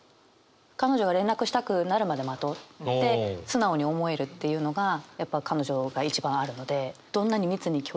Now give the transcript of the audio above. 彼女が連絡したくなるまで待とうって素直に思えるっていうのがやっぱ彼女が一番あるので。